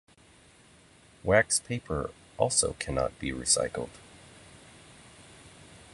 Wax paper also cannot be recycled.